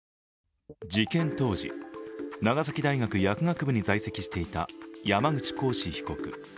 事件当時、長崎大学薬学部に在籍していた山口鴻志被告。